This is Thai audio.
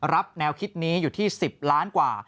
แนวคิดนี้อยู่ที่๑๐ล้านกว่า